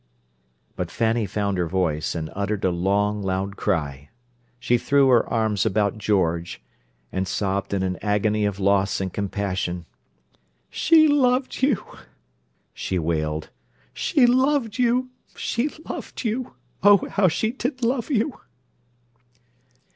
But Fanny found her voice, and uttered a long, loud cry. She threw her arms about George, and sobbed in an agony of loss and compassion: "She loved you!" she wailed. "She loved you! She loved you! Oh, how she did love you!"